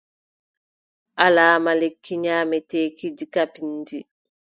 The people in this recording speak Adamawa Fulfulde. Alaama lekki nyaameteeki diga pinndi.